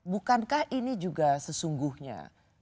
bukankah ini juga sesungguhnya